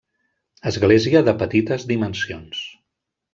Església de petites dimensions.